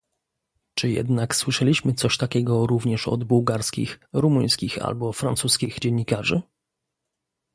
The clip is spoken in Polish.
Czy jednak słyszeliśmy coś takiego również od bułgarskich, rumuńskich albo francuskich dziennikarzy?